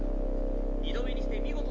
二度目にして見事。